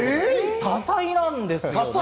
多彩なんですよ。